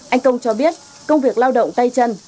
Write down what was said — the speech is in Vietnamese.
anh công cho biết công việc lao động tay chân